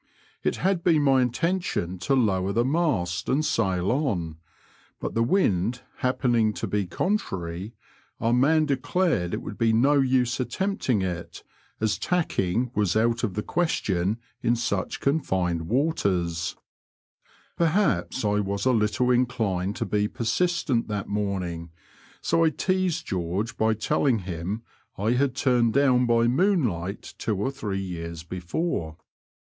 It had been my intention to lower the mast and sail on, but the wind happening to be contrary, our man declared it would be no use attempting it, as tacking was out of the question in such confined waters. Perhaps I was a Digitized by VjOOQIC 128 BBOADS AND BIVEBS OF NOBFOLE AND SUFFOLK. little inclined to be persistent that morning, so I teased George by telling him I had turned down by moonlight two or three years before.